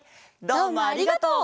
どうもありがとう！